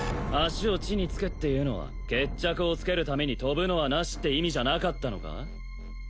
足を地につけっていうのは決着をつけるために飛ぶのはなしって意味じゃなかったのか？